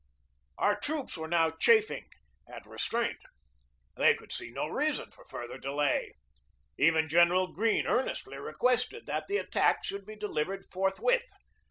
Our troops were now chafing at restraint. They could see no reason for further delay. Even General Greene earnestly requested that the attack should be delivered forthwith.